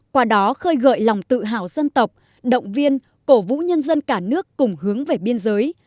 qua đó khơi gợi lòng tự hào dân tộc động viên cổ vũ nhân dân cả nước cùng hướng về biên giới